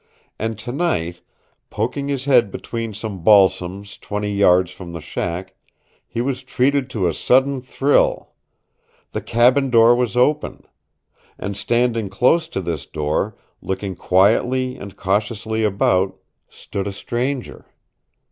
And tonight, poking his head between some balsams twenty yards from the shack, he was treated to a sudden thrill. The cabin door was open. And standing close to this door, looking quietly and cautiously about, stood a stranger.